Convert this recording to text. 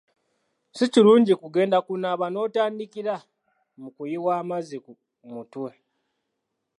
Si kirungi kugenda kunaaba n'otandikira mu kuyiwa amazzi mutwe.